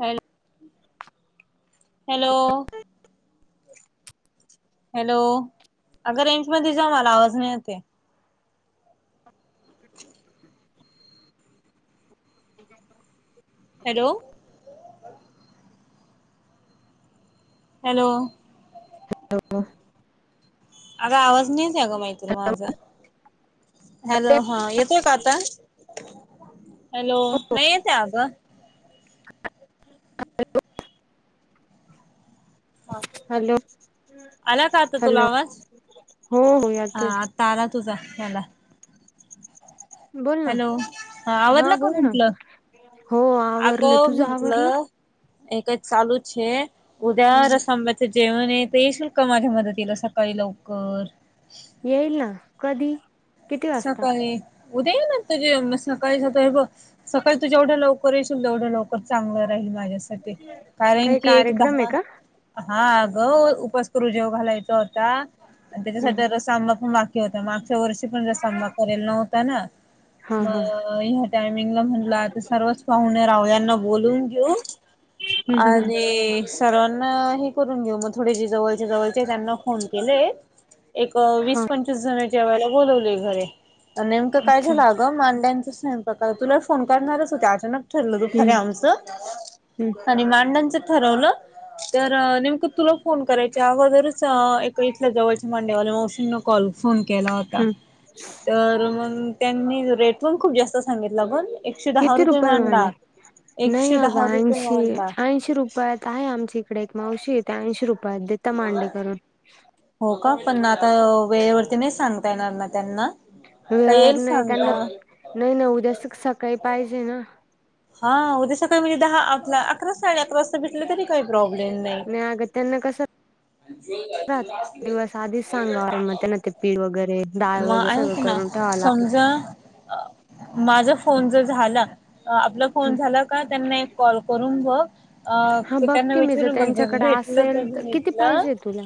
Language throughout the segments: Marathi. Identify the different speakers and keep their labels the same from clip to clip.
Speaker 1: Hello hello.
Speaker 2: [inaudible]
Speaker 1: हॅलो अगं रेंज मध्ये जा मला आवाज नाही येत आहे. [inaudible]
Speaker 2: [unintelligible]
Speaker 1: हॅलो. हॅलो.
Speaker 2: हॅलो.
Speaker 1: आग आवाज नाही येत का ग माई तुल माझा? हॅलो हां येतोय का आता? हॅलो नाही येतेय आग.
Speaker 2: [unintelligible] हॅलो
Speaker 1: आला का आता तुला
Speaker 2: हॅलो हो हो येतोय.
Speaker 1: तारा तुझा याला
Speaker 2: बोल ना
Speaker 1: हॅलो हा आवरला को
Speaker 2: बोल ना
Speaker 1: म्हंटलं
Speaker 2: हो
Speaker 1: आग
Speaker 2: आवरलं तुझं आवरलं
Speaker 1: म्हंटलं. हे काय चालूच छे उद्या
Speaker 2: हम्म
Speaker 1: रस्समला ते जेवण ये पेशल कमा [unintelligible] मदतीला सकाळी लवकर.
Speaker 2: येईल ना कधी? किती वाजता
Speaker 1: सकाळी उद्या येणार ते जे सकाळी सकाळी ब सकाळी तु जेवढ्या लव कर येशील तेवढं लवकर चांगलं राहील माझ्यासाठी कारण
Speaker 2: काही
Speaker 1: की एक
Speaker 2: कार्यक्रम आहे
Speaker 1: दहा
Speaker 2: का
Speaker 1: हा ग उपासकरू जेवू घालायचा होता आण
Speaker 2: हम्म
Speaker 1: त्याच्यासाठी रस आंबा ते होते मागच्या वर्षी पण रसआंबा करेल नव्हता ना.
Speaker 2: हा
Speaker 1: म
Speaker 2: हा
Speaker 1: अ ह्या टायमिंगला म्हंणल आता सर्वच पाहुणे रावळ्यांना यांना बोलून घेऊ
Speaker 2: हम्म हम्म
Speaker 1: आणि सर्वांना हे करून घेऊ म थोडे ज जवळचे जवळचे आहे त्यांना फोन केलेय एक
Speaker 2: हा
Speaker 1: वीस पंचवीस जण जेवायला बोलवले घरी. नेमकं काय
Speaker 2: अच्छा
Speaker 1: झालं आग मांड्यांच स्वयंपाकाला तुला फोन करणारच होत अचानक ठरलं
Speaker 2: हम्म
Speaker 1: दुफारी
Speaker 2: हम्म
Speaker 1: आमचं आणि मांड्याचं ठरवलं. तर नेमकं तुला फोन करायच्या अगोदरच अ एका इथल्या जवळच्या मांडेवाल्या मावशींना कॉल फोन केला होता.
Speaker 2: हम्म
Speaker 1: तर मग त्यांनी रेट पण खूप जास्त सांगितलं पणं. एकशे दहा
Speaker 2: किती
Speaker 1: रुपये मांडा,
Speaker 2: मांडे
Speaker 1: एकशे दहा रुपये मांडा.
Speaker 2: शी रुपयात आहे आमच्या इकडे एक मावशी त ऐंशी रुपयात देेता मांडेकरून.
Speaker 1: हो का पण आता वेळेवरती नाही सांगता येणार ना त्यांना आता येईल
Speaker 2: वेळ त्यांना
Speaker 1: सांगता
Speaker 2: नाही, नाही उद्याचच सकाळी पाहिजे ना
Speaker 1: हा उद्या सकाळी म्हणजे दहा आपला अकरा साडे अकरा वाजता भेटलं तरी काही प्रॉब्लेम नाही
Speaker 2: अगं त्यांना कसं राहत दिवस आधीच सांगाव तर मग त्यांना ते पीठ वगैरे डाळ
Speaker 1: मग
Speaker 2: वगैरे सगळं
Speaker 1: ऐक ना
Speaker 2: करून ठेवावं लागते.
Speaker 1: समजा माझा फोन जर झाला ह आपला फोन झाला का त्यांना एक कॉल करून ब अ
Speaker 2: हा
Speaker 1: त्यांना
Speaker 2: बघकी मी जर
Speaker 1: विचारून बघत
Speaker 2: त्यांच्याकडे
Speaker 1: भेटलं तर
Speaker 2: असेल किती
Speaker 1: भेटलं
Speaker 2: पाहिजे तुला?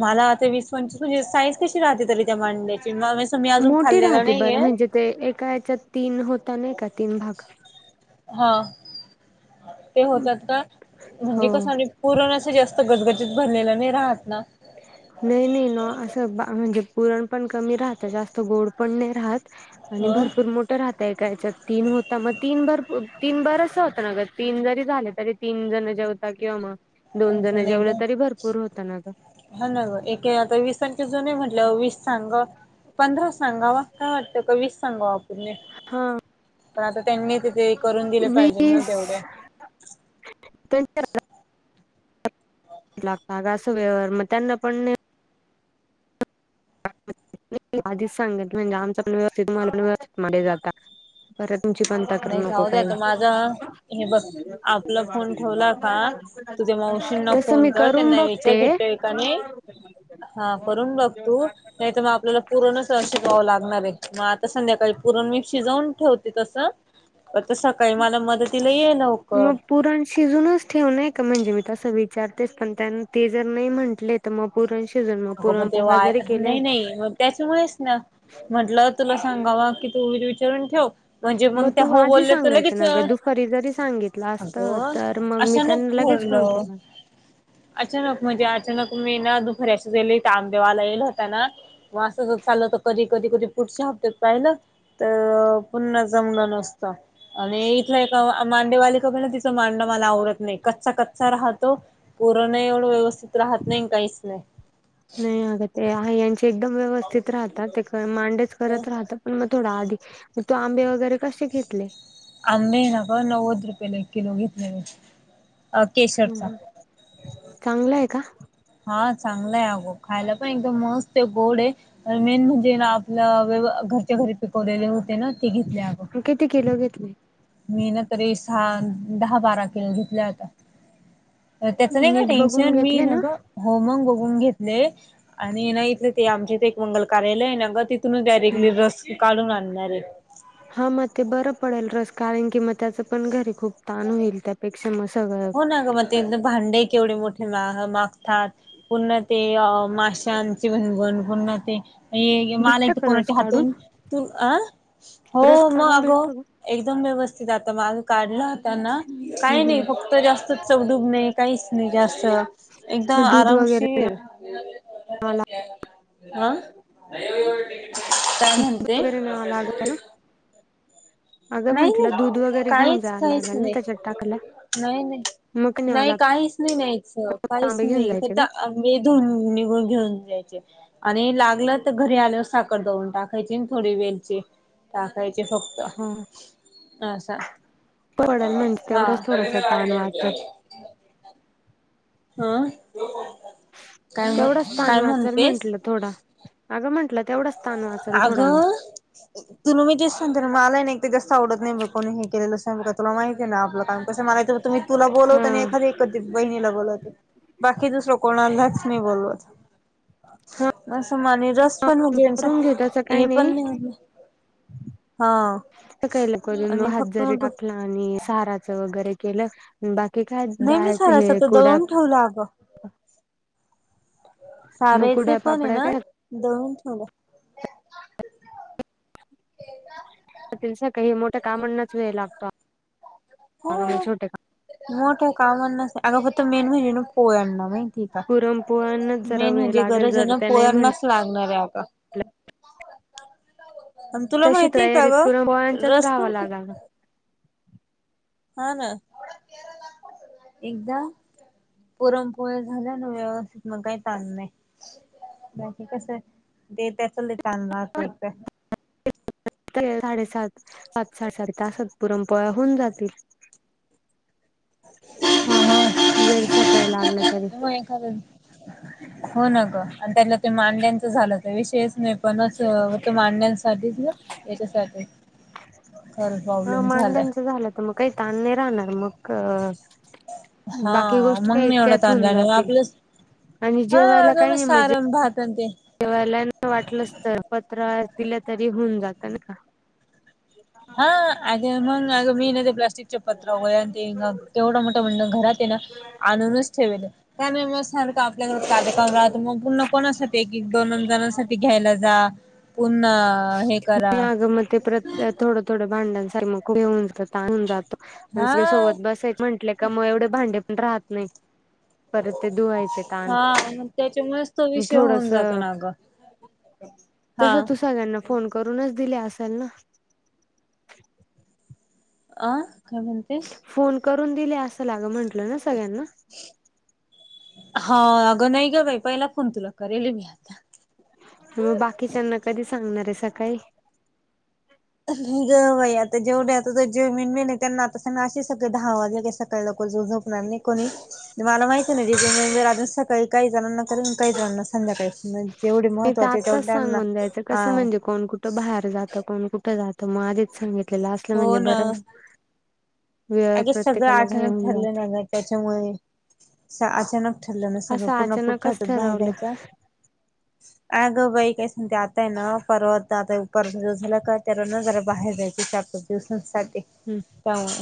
Speaker 1: मला आता वीस पंचस म्हणजे साईज कशी राहते तरी त्या मांड्याची म्हण मी अजून
Speaker 2: मोठी
Speaker 1: खाल्लेला
Speaker 2: राहते बरं
Speaker 1: नाहीये
Speaker 2: म्हणजे ते एका याच्यात तीन होता नाही का तीन भाग
Speaker 1: हा ते होतात का
Speaker 2: हो
Speaker 1: म्हणजे कस कोरोनाच जास्त गजगजत भरलेलं नाही राहतात ना
Speaker 2: नाही, नाही ना असं म्हणजे पुरण पण कमी राहत जास्त गोड पण नाही राहत आणि
Speaker 1: ह
Speaker 2: भरपूर मो राहतय कायच्या तीन होता मग तीन भर, तीन भर असं होत ना तीन जरी झाले तरी तीन जण जेवता किंवा मग दोन
Speaker 1: असं
Speaker 2: जण
Speaker 1: नाही
Speaker 2: जेवलं
Speaker 1: का
Speaker 2: तरी भरपूर होता ना ग
Speaker 1: हा ना ग एक आता वीस तारखे जो नाही म्हटलं वीस सांगा पंधरा सांगावा काय वाटतं का वीस सांगा
Speaker 2: हा
Speaker 1: पण आता त्यांनी तिथे करून दिले पाहिजे ना तेवढे
Speaker 2: पच्या अस वे मग त्यांना पण नई आधीच सांगा म्हणजे आमचा पण व्यवस्थित मलाण व्यवस्थित मध्ये जाता परत तुमची पण तक्रार करू
Speaker 1: नाही
Speaker 2: नको
Speaker 1: जाऊ दे
Speaker 2: काय
Speaker 1: आता माझा हे बघ आपला फोन ठेवला का तुझ्या मावशींना
Speaker 2: तसं
Speaker 1: फोन
Speaker 2: मी
Speaker 1: कर
Speaker 2: करून
Speaker 1: त्यांना विचार
Speaker 2: बघते
Speaker 1: भेटतोय का नाही हा करून बघ तू नाही त माप आपल्याला पुरणच शिकावं लागणार आहे मग आता संध्याकाळी पुरण मी शिजवून ठेवते तसं आता सकाळी मला मदतीला ये लवकर
Speaker 2: मग पुरण शिजूनच ठेवण का म्हणजे मी तसं विचारतेच पण त्यां ते जर नाही म्हंटले तर मग पुरण शिजलं पुरण पोळ्या जरी केलाय
Speaker 1: त्याचमुळेस ना म्हटलं तुला सांगावा की तू विचारून ठेव म्हणजे मग त्या
Speaker 2: तू
Speaker 1: हो
Speaker 2: आधी
Speaker 1: बोलल्या तर
Speaker 2: सांगायचं
Speaker 1: लगेच
Speaker 2: ना
Speaker 1: य
Speaker 2: ग दुपारी जरी सांगितलं असत
Speaker 1: अग!
Speaker 2: तर मग मी
Speaker 1: अचानक
Speaker 2: त्यांना लगेच फोन
Speaker 1: ठरलं
Speaker 2: केला
Speaker 1: अचानक म्हणजे अचानक मी ना दुपारी असे झाले आंबेवाला येल होता ना मग असं चाललंत कधी कधी, कधी पुढच्या हप्त्यात पाहिलं तर पुन्हा जमलं नसत आणि इथलं एक मांडेवाली ख ना तिचं मांडा मला आवरत नाही कच्चा कच्चा राहतो पुरण एवढं व्यवस्थित राहत नाही काहीच नाही
Speaker 2: नाही अगं ते आहे यांचे एकदम व्यवस्थित राहतात ते मांडेच करत राहत पण मग थोडा आधी तू आंबे वगैरे कसे घेतले
Speaker 1: आंबे ना का नव्वद रुपयेला एक किलो घेतले मी अ केशरचा
Speaker 2: चांगला आहे का
Speaker 1: हा चांगलंय अगो खायला पण एकदम मस्त आहे गोड आहे मेन म्हणजे ना आपलं घरच्या घरी पिकवलेले होते ना ते घेतले
Speaker 2: किती किलो घेतले?
Speaker 1: मी ना तरी सहा, दहा बारा किल घेतल्या होता त्याचं नाही का
Speaker 2: नीट बघून
Speaker 1: टेन्शन मी
Speaker 2: घेतले
Speaker 1: न
Speaker 2: ना
Speaker 1: गं हो मग बघून घेतले आणि ना इथले ते आमचे ते एक मंगल कार्यालय आहे ना ग तिथ तिथूनच डारेक्टली रस काढून आणणार आहे
Speaker 2: हा मग ते बरं पडेल रस कारण की म त्याच पण घरी खूप ताण होईल त्यात पेक्षा मसग.
Speaker 1: हो ना ग मग ते भांडे केवढे मोठे मागतात. पुर्ण ते माशांचे भनवण पुर््हा ते मला
Speaker 2: भेटत
Speaker 1: आहे
Speaker 2: का रस
Speaker 1: कोणाच्या
Speaker 2: काढून
Speaker 1: हातून तू अ
Speaker 2: रस
Speaker 1: हो मग
Speaker 2: काढून
Speaker 1: अगो.
Speaker 2: भेटत का
Speaker 1: एकदम व्यवस्थित आता माल काढलाताना काही नाही फक्त तर जास्त चवडूब नाही काहीच नाही जास्त एकदाम
Speaker 2: मग दूध वगैरे
Speaker 1: आरामशीर
Speaker 2: न्यावं लाग
Speaker 1: हा. काय म्हणते.
Speaker 2: वगैरे न्यावं लागल ना अगं
Speaker 1: नाही
Speaker 2: म्हंटलं दूध
Speaker 1: नाही
Speaker 2: वगैरे घेऊन
Speaker 1: काहीच
Speaker 2: जायला
Speaker 1: काहीच
Speaker 2: लागेल ना
Speaker 1: नाही.
Speaker 2: त्याच्यात टाकायला
Speaker 1: नाही नाही
Speaker 2: मग न्यावं
Speaker 1: नाही
Speaker 2: लागत
Speaker 1: काहीच नाही नाहीच काहीच
Speaker 2: तांबे घेऊन
Speaker 1: नाही
Speaker 2: जायचे
Speaker 1: होत.
Speaker 2: का
Speaker 1: मधन निघून घेऊन जा्यायचे. आणि लागलं तर घरी आल्यावर साखर दऊून टाकायची थोडी वेलची टाकायचे फक्त
Speaker 2: हा
Speaker 1: असा.
Speaker 2: पडल म्हणजे तेवढंच थोडासा ताण वाचल
Speaker 1: [unintelligible] हं काय म्ह
Speaker 2: तेवढाच ताण
Speaker 1: काय
Speaker 2: वाचल
Speaker 1: म्हणतेस?
Speaker 2: म्हंटलं थोडा अगं म्हटलं तेवढंच.
Speaker 1: आगं. तुु मी तेच सांते मला नाही एक ते जास्त आवडत नाही कोणी हे केलेलं नाही का तुला माहिती आहे ना आपलं काय? कस म्हणायचं मी तुला
Speaker 2: हा
Speaker 1: बोलवत आणि एखादी एदी बहिणीला बोलवते. बाकी दुसरं कोणालाच मी बोलवत. असं मा आणि रस पण म्हणजेचा
Speaker 2: करून तसं काही नाही.
Speaker 1: हा
Speaker 2: याला करून
Speaker 1: आणि
Speaker 2: हात
Speaker 1: फक्त
Speaker 2: जरी
Speaker 1: मग तो
Speaker 2: टाकला. आणि साराच वगैरे केलं बाकी काय
Speaker 1: नाही मी
Speaker 2: डाळ
Speaker 1: सारायचा तो
Speaker 2: कुडा
Speaker 1: दळून ठेवला अगं.
Speaker 2: मग
Speaker 1: सारायचे
Speaker 2: कुड्या
Speaker 1: पण आहे
Speaker 2: पापड्या
Speaker 1: ना दळुन ठेवलं. ते ना.
Speaker 2: सकाळी काही मोठ्या कामांनाच वेळ लागतो छोटे
Speaker 1: हा
Speaker 2: काम
Speaker 1: मोठ्या कामांना अगं फक्त मेनू हाय पोयाना बिन ठीक आहे
Speaker 2: पुरणपोळ्यांनाच जरा
Speaker 1: मेन
Speaker 2: वेळ
Speaker 1: म्हणजे
Speaker 2: लागेल
Speaker 1: गरज आहे
Speaker 2: जर
Speaker 1: ना
Speaker 2: त्या नाही म्हण
Speaker 1: पोराना लागणार आहे आता आणि तुला
Speaker 2: तशी
Speaker 1: माहितीय का
Speaker 2: तयारीत
Speaker 1: गं
Speaker 2: पुरणपोळ्यांच्याच
Speaker 1: रस्ता
Speaker 2: राहावा लागला
Speaker 1: हा ना एकदा पुरमपोळ्या झाल्या ना व्यवस्थित मग काही ताण नाही. बाकी कसं आहे ते त्या चल तलनां एकदा
Speaker 2: साडेसात पाात साडे साडे तासात पुरंपोळ होऊन जातील.
Speaker 1: [unintelligible] मग
Speaker 2: जरी सकाळी लागलं तरी
Speaker 1: हो न ग आणि त्या ते मांड्यांचं झालं. विषयच नाही पण अस त मांडण्यासाठीच ना याच्यासाठी खरं
Speaker 2: ह
Speaker 1: प्रॉब्लेम झालाय.
Speaker 2: मांड्यांचं झालं तर मग काही ताण नाही राहणार मग बाकी
Speaker 1: हा
Speaker 2: गोष्टी
Speaker 1: मग
Speaker 2: काही
Speaker 1: नाही एवढा
Speaker 2: इतक्यात
Speaker 1: ताण
Speaker 2: होऊन
Speaker 1: झाला
Speaker 2: जातील.
Speaker 1: आपलं
Speaker 2: आणि
Speaker 1: हा
Speaker 2: जेवायला
Speaker 1: अगं मग
Speaker 2: काही मजे
Speaker 1: सारं भात आणि ते
Speaker 2: जवा्हाला न वाटलंस तर पत्र दिलं तरी होऊन जात ना.
Speaker 1: हा अ मग अ मी ना ते प्लास्टिकचे पत्र हो आणि ते तेवढं मोठं म्हणणं घरात आहे ना. आणूनच ठेवेल त्याने मग सारखं आपल्याकडं कार्यक्रम राहतो मग पूर्ण कोणासाठी एक एक दोनन जणांसाठी घ्यायला जा पुन्हा हे करा
Speaker 2: मग म ते प्रत थोडं थोडं भांडांसार मग नको होऊन जातो तिच्या
Speaker 1: हा
Speaker 2: सोबत बसायच म्हटलं तर कमुळ एवढे भांडे पण राहत नाही परत ते धुवायचे ताण
Speaker 1: हा मग त्यांच्यामुळेच तो विषय होऊन
Speaker 2: थोडस
Speaker 1: जातो ना गं, हा.
Speaker 2: तसं तू सगळ्यांना फोन करूनच दिले असेल ना.
Speaker 1: अ काय म्हण
Speaker 2: फोन करून दिले असेल अगं म्हंटलं ना सगळ्यांना.
Speaker 1: हा अगं नाही ग बाई पहिला फोन तुला करेल मी आता.
Speaker 2: मग बाकीच्यांना कधी सांगणार आहे सकाळी.
Speaker 1: अगं बाई आता जेवढे आता जे [unintelligible] त्यांना आता असे सगळे दहा वाजले सकाळी लवकर [unintelligible] उठणार नाही कोणी मला माहती नाही [unintelligible] सकाळी काही जणांना तर काही जणांना संध्याकाळी. जेवढे
Speaker 2: मी तर
Speaker 1: महत्त्वाचीचे तेवढं त्यांना, आ.
Speaker 2: त बाहेर जात कोण कुठं जातं मग आधीच सांगितलेलं असलं
Speaker 1: हो
Speaker 2: म्हणजे
Speaker 1: ना
Speaker 2: बरं वेळ
Speaker 1: अगे सगळं
Speaker 2: प्रत्येकाला घाई
Speaker 1: अचानक
Speaker 2: होऊन
Speaker 1: ठरलं
Speaker 2: जाते
Speaker 1: ना गं त्यांच्यामुळे, अचानक ठरलं न सग
Speaker 2: असं
Speaker 1: पूर्ण पुढच्या
Speaker 2: अचानकच
Speaker 1: हातात बाहेर
Speaker 2: ठरवलं
Speaker 1: जायचं. अगं बाई काय सांगते आताय ना परवात आता पर झाला का त्यावर न जरा बाहेर जायचं विचा [unintelligible] साठी
Speaker 2: हम्म.
Speaker 1: त्यामुळ.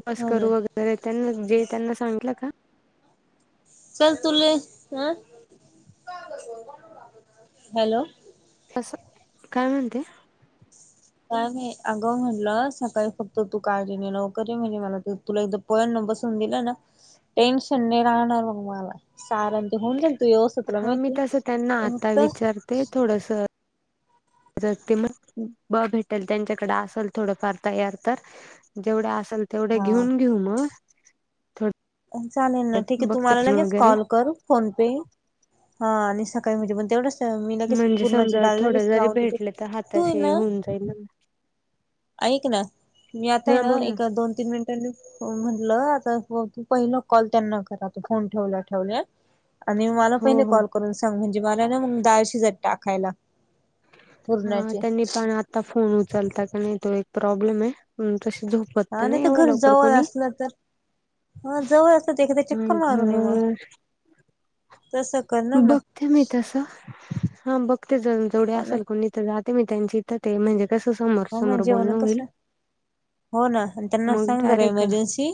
Speaker 2: उपास करू वगैरे त्यांना जे त्यांना सांगितलं का?
Speaker 1: चल तुले अ, हॅलो.
Speaker 2: तसं, काय म्हणते?
Speaker 1: काय नाही अगं म्हणलं सकाळी फक्त तू काळजीने लवकर ये म्हणजे मला तुला एकदा पन [unintelligible] दिलं ना टेन्शन नाही राहणार मग मला सारा ते होऊन जाईल तू व्यवस्थ तुला माहिती आहे.
Speaker 2: ते थोडंसं ते मग ब भेटेल त्यांच्याकडे असेल थोडफार तयार तर, जेवढे असेल तेवढ्या
Speaker 1: हा
Speaker 2: घेऊन घेऊ मग थ
Speaker 1: चालेल ना ठीक आहे तुम्हाला लगेच
Speaker 2: वगैरे
Speaker 1: कॉल करू. फोन पे, हा आणि सकाळी म्हजे पण तेवढंच मी लगेच
Speaker 2: म्हणजे
Speaker 1: पूर्णाची
Speaker 2: समजा
Speaker 1: दाळ
Speaker 2: थोडं
Speaker 1: लगेच
Speaker 2: जरी
Speaker 1: लावून देते,
Speaker 2: भेटले तर
Speaker 1: तू आहे
Speaker 2: हाताशी
Speaker 1: ना.
Speaker 2: होऊन जाईल ना
Speaker 1: ऐक ना मी आता आहे
Speaker 2: हा
Speaker 1: ना
Speaker 2: बोल
Speaker 1: एक दोन तीन मिनट त्यांनी म्हटलं आता तू पहिला कॉल त्यांना करा आता फोन ठेवल्या ठेवल्या आणि मला
Speaker 2: हो
Speaker 1: पहिले
Speaker 2: हो
Speaker 1: कॉल करून सांग म्हणजे मला ना मग दाळ शिजत टाकायला.
Speaker 2: हा
Speaker 1: पूर्णाची
Speaker 2: त्यांनी पण आता फोन उचलता का नाही तो एक प्रॉब्लेम आहे तस झोप
Speaker 1: हा नाही तर घरजवळ असलं तर. हा जवळ असं तेखाद चक्क मारून यु मग.
Speaker 2: घर ते मी तसं, हा बघते ज जवढे
Speaker 1: हो ना
Speaker 2: असेल कोणी तर जाते मी त्यांची इथं ते म्हणजे तसं समज.
Speaker 1: हो ना त्यांना
Speaker 2: मग
Speaker 1: सांग जरा
Speaker 2: डायरेक्ट
Speaker 1: इमर्जन्सी.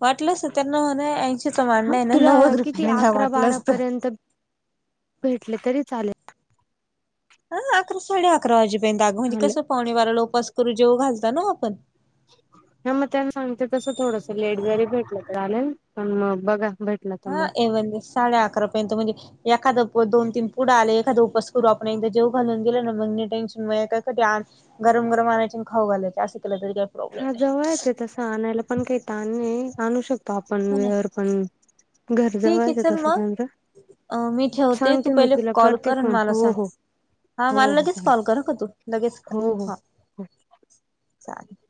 Speaker 1: वाटलंच त्यांना म्हना ऐंशीचा
Speaker 2: हा
Speaker 1: मांडा आहे ना
Speaker 2: तुला
Speaker 1: नव्वद
Speaker 2: किती
Speaker 1: रुपयाने द्या
Speaker 2: अकरा
Speaker 1: वाटलं असतं.
Speaker 2: भेटली तरी चालेल.
Speaker 1: ह अकरा साडे अकरा वाजेपर्यंत अगं म्हणजे
Speaker 2: ह
Speaker 1: कसं पावणे बाराला उपास करू जेऊ घालता ना आपण.
Speaker 2: हा मग त्यांना सांगते तस थोडस लेट घरी भेटलं [unintelligible] मग बघा भेट
Speaker 1: हा एव साडे अकरा पर्यंत म्हणजे एखाद दोन तीन पुढं आले एखादा उपास करू आपण एकदा जेऊ घालून दिले ना मग टेनशन म [unintelligible] गरम-गरम आणायची खाऊ घालायचं असं केलं तरी प्रॉब्लेम
Speaker 2: हा
Speaker 1: नाही
Speaker 2: जवळयचं तसं आणायला पण काही ताण नाही आणू शकतो आपण
Speaker 1: हो ना
Speaker 2: वेर पण. घर जवळचं
Speaker 1: ठीक
Speaker 2: आहे
Speaker 1: चल
Speaker 2: तस
Speaker 1: मग
Speaker 2: त्याचं.
Speaker 1: अ मी ठेवते तू पहिले कॉल
Speaker 2: करते
Speaker 1: कर
Speaker 2: फोन
Speaker 1: मला
Speaker 2: हो
Speaker 1: सांग.
Speaker 2: हो
Speaker 1: हा
Speaker 2: हो
Speaker 1: मला
Speaker 2: हो
Speaker 1: लगेच
Speaker 2: चालेल
Speaker 1: कॉल कर खा तू लगेच कर
Speaker 2: हो हो
Speaker 1: हा
Speaker 2: हो
Speaker 1: चालेल.